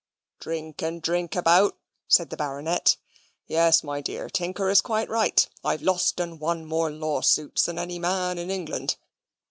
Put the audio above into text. "Drink and drink about," said the Baronet. "Yes; my dear, Tinker is quite right: I've lost and won more lawsuits than any man in England.